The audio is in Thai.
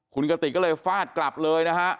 คุณกติกก็เลยฟาดกลับเลยนะฮะ